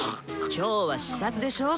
今日は視察でしょう。